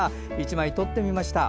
１枚撮ってみました。